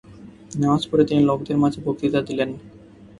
নামায পড়ে তিনি লোকদের মাঝে বক্তৃতা দিলেন।